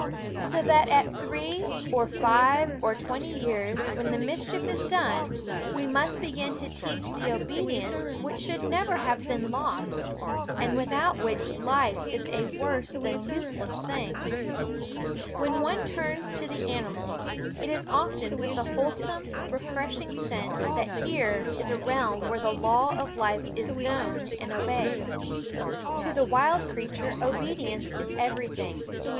So that at three or five or twenty years, when the mischief is done, we must begin to teach the obedience which should never have been lost, and without which life is a worse than use less thing. * When one turns to the animals, it is often with the wholesome, refresh "^ ing sense that here is a realm where the law of life is known and obeyed. To the wild s creature obedience is everything.